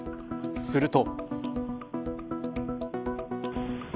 すると。